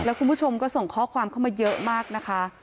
คุณผู้ชมก็ส่งข้อความเข้ามาเยอะมากนะคะ